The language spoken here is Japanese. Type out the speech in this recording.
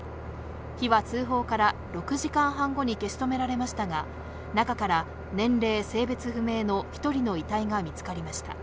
火は通報から６時間半後に消し止められましたが、中から年齢・性別不明の１人の遺体が見つかりました。